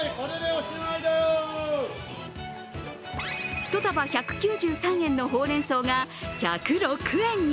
一束１９３円のほうれんそうが１０６円に。